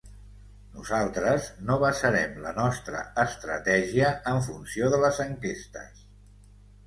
Nosaltres no basarem la nostra estratègia en funció de les enquestes.